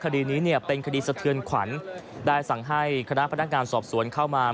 คดีนี้เนี่ยเป็นคดีสะเทือนขวัญได้สั่งให้คณะพนักงานสอบสวนเข้ามา